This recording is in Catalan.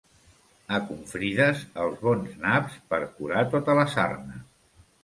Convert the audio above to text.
A Confrides, els bons naps, per curar tota la sarna.